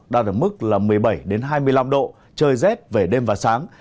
đạt ở mức là một mươi bảy hai mươi năm độ trời rét về đêm và sáng